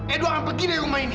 edo akan pergi dari rumah ini